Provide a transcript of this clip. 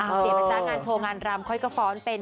เสียนะจ๊ะงานโชว์งานรำค่อยก็ฟ้อนเป็น